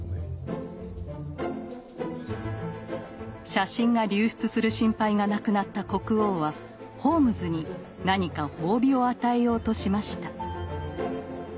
写真が流出する心配がなくなった国王はホームズに何か褒美を与えようとしました。